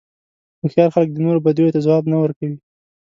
هوښیار خلک د نورو بدیو ته ځواب نه ورکوي.